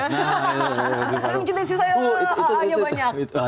saya mencintai saya banyak